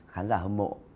khán giả hâm mộ